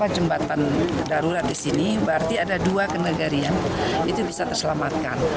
jembatan darurat di sini berarti ada dua kenegarian itu bisa terselamatkan